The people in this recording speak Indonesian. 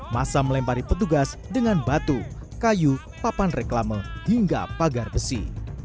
masa melempari petugas dengan batu kayu papan reklame hingga pagar besi